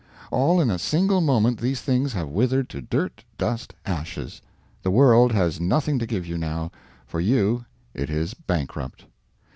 All in a single moment these things have withered to dirt, dust, ashes. The world has nothing to give you now. For you it is bankrupt.